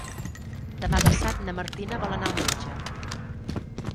Demà passat na Martina vol anar al metge.